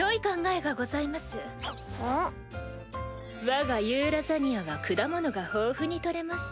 わがユーラザニアは果物が豊富に採れます。